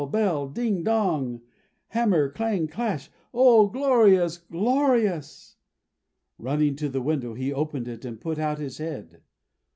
Bell, dong, ding; hammer, clang, clash! O, glorious, glorious! Running to the window, he opened it, and put out his head.